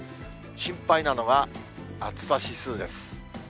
心配なのは、暑さ指数です。